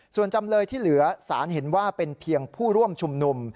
ส่วนจำเลยที่เหลือสารเห็นว่าเป็นเพียงผู้ร่วมชุมนุม